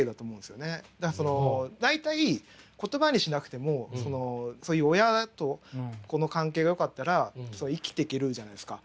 大体言葉にしなくてもそういう親と子の関係がよかったら生きていけるじゃないですか。